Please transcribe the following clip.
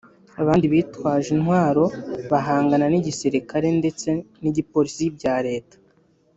abandi bitwaje intwaro bagahangana n’igisirikare ndetse n’igipolisi bya Leta